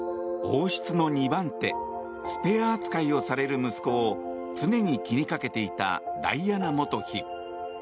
王室の２番手スペア扱いをされる息子を常に気にかけていたダイアナ元妃。